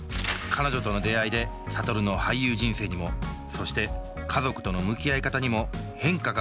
彼女との出会いで諭の俳優人生にもそして家族との向き合い方にも変化が訪れるようになります。